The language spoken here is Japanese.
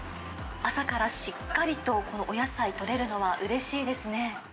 朝からしっかりとこのお野菜とれるのは、うれしいですね。